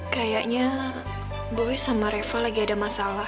kayaknya boy sama reva lagi ada masalah